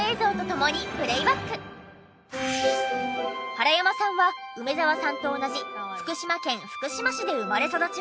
原山さんは梅沢さんと同じ福島県福島市で生まれ育ちます。